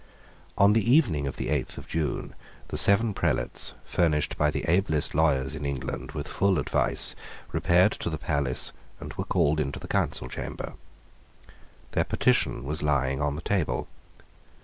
On the evening of the eighth of June the seven prelates, furnished by the ablest lawyers in England with full advice, repaired to the palace, and were called into the Council chamber. Their petition was lying on the table.